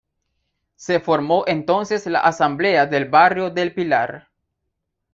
Se formó entonces la Asamblea del Barrio del Pilar.